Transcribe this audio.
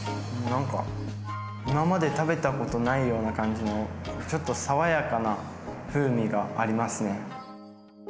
何か今まで食べたことないような感じのちょっと爽やかな風味がありますね。